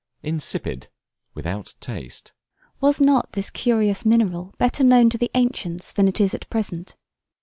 Insipid, without taste. Was not this curious mineral better known to the ancients than it is at present?